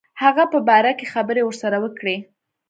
هغه په باره کې خبري ورسره وکړي.